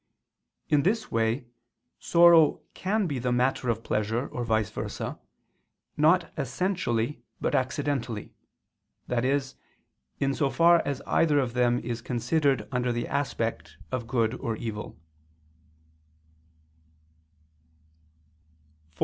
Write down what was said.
In this way sorrow can be the matter of pleasure, or vice versa, not essentially but accidentally: that is, in so far as either of them is considered under the aspect of good or evil.